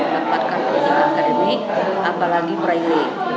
mendapatkan pelajaran akademik apalagi braile